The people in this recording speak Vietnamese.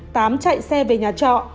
tám chạy xe về nhà chợ